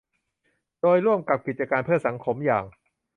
โดยร่วมกับกิจการเพื่อสังคมอย่าง